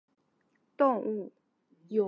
新尖额蟹属为膜壳蟹科新尖额蟹属的动物。